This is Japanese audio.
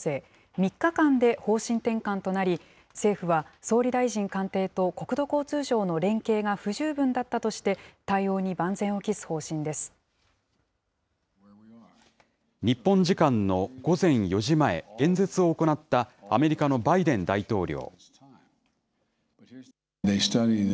３日間で方針転換となり、政府は、総理大臣官邸と国土交通省の連携が不十分だったとして、対応に万日本時間の午前４時前、演説を行ったアメリカのバイデン大統領。